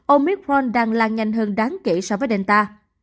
omicron đang lan nhanh hơn đáng kể so với delta